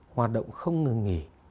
hoạt động không ngừng nghỉ